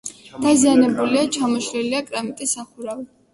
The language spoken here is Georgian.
დაზიანებულია: ჩამოშლილია კრამიტის სახურავი.